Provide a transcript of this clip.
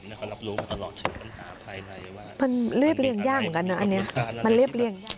มันเรียบเลี่ยงยากเหมือนกันนะอันนี้มันเรียบเลี่ยง